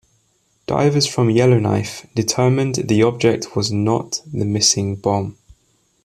Divers from "Yellowknife" determined the object was not the missing bomb.